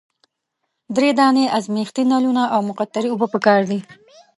دری دانې ازمیښتي نلونه او مقطرې اوبه پکار دي.